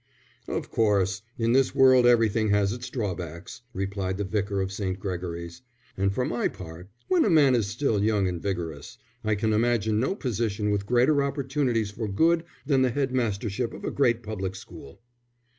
"Of course, in this world everything has its drawbacks," replied the Vicar of St. Gregory's. "And for my part, when a man is still young and vigorous, I can imagine no position with greater opportunities for good than the headmastership of a great public school."